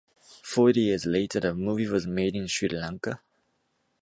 Four years later the movie was made in Sri Lanka.